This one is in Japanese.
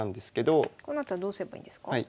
このあとはどうすればいいんですか？